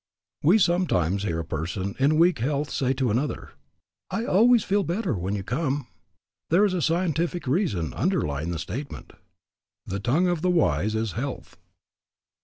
We sometimes hear a person in weak health say to another, "I always feel better when you come." There is a deep scientific reason underlying the statement. "The tongue of the wise is health."